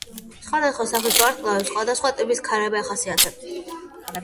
სხვადასხვა სახის ვარსკვლავებს სხვადასხვა ტიპის ქარები ახასიათებთ.